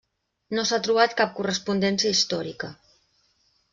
No s'ha trobat cap correspondència històrica.